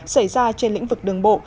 xảy ra trên lĩnh vực đường bộ